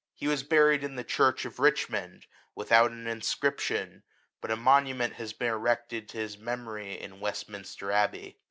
He was bu ried in the church of Richmond, without an inscription ; but a monument has been erected to his memory in Westminster abbey.